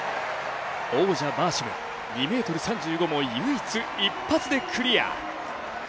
王者・バーシム、２ｍ３５も一発でクリア。